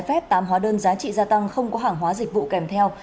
ép tám hóa đơn giá trị gia tăng không có hàng hóa dịch vụ kèm theo